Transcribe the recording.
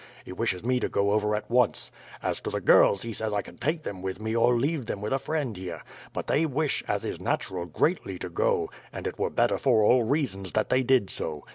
He wishes me to go over at once. As to the girls, he says I can take them with me or leave them with a friend here. But they wish, as is natural, greatly to go; and it were better for all reasons that they did so.